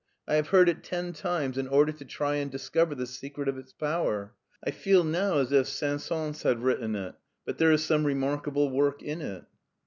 I have heard it ten times in order to try and discover the secret of its power. I feel now as if Saint Saens had written it, but there is some remarkable work in it.'